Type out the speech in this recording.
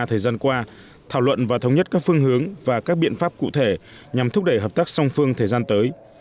thời gian qua thảo luận và thống nhất các phương hướng và các biện pháp cụ thể nhằm thúc đẩy hợp tác song phương thời gian tới